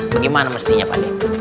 bagaimana mestinya pade